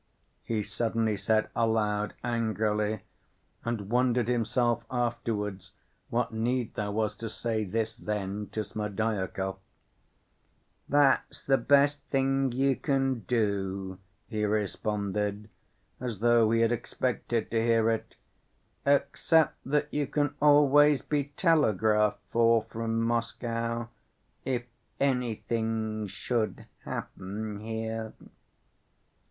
he suddenly said aloud angrily, and wondered himself afterwards what need there was to say this then to Smerdyakov. "That's the best thing you can do," he responded, as though he had expected to hear it; "except that you can always be telegraphed for from Moscow, if anything should happen here."